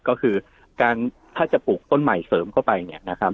ก็คือการถ้าจะปลูกต้นใหม่เสริมเข้าไปเนี่ยนะครับ